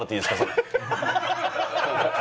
それ。